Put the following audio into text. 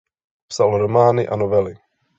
Psal romány a novely.